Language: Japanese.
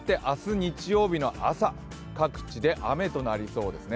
日曜日の朝、各地で雨となりそうですね。